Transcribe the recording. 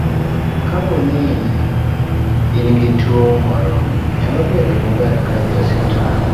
Kapo ni in gi tuwo moro, nyalo bedo maber ka idhi e osiptal .